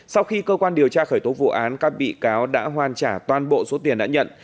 sau khi cơ quan điều tra khởi tố vụ án các bị cáo đã hoàn trả toàn bộ số tiền đã nhận